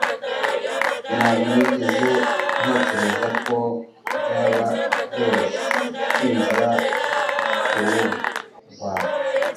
ntabwo nigeze ntekereza ko byaba byoroshye kwinjira kurubuga rwawe